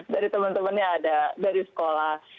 dari temen temennya ada dari sekolah